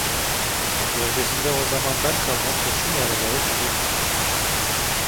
Gövdesinde o zamandan kalma kurşun yaraları dururdu.